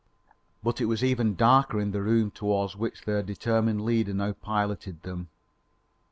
But it was even darker in the room towards which their determined leader now piloted them.